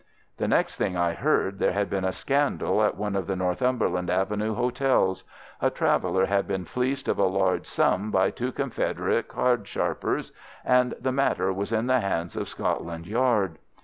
The next thing I heard there had been a scandal at one of the Northumberland Avenue hotels: a traveller had been fleeced of a large sum by two confederate card sharpers, and the matter was in the hands of Scotland Yard.